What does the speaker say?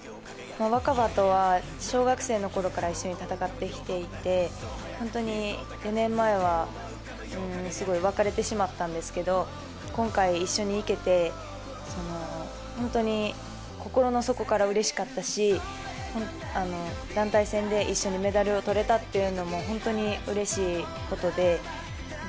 新葉とは小学生のころから一緒に戦ってきていて４年前は、すごい別れてしまったんですけど今回、一緒に行けて本当に心の底からうれしかったし団体戦で一緒にメダルをとれたというのも本当にうれしいことで。